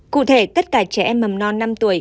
cụ thể tất cả trẻ em mầm non năm tuổi